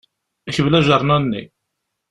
Kbel ajernan-nni.